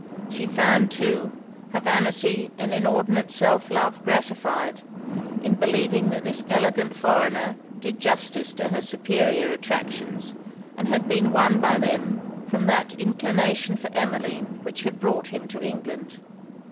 She found, too, her vanity and inordinate self love gratified, in believing that this elegant foreigner did justice to her superior attractions, and had been won by them, from that inclination for Emmeline which had brought him to England.